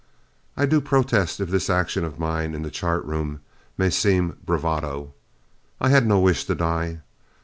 I do protest if this action of mine in the chart room may seem bravado. I had no wish to die.